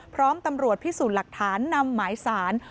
พร้อมตำรวจพิสูจน์หลักฐานนำหมายสาร